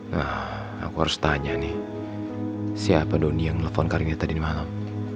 nah aku harus tanya nih siapa doni yang nelfon karinnya tadi malam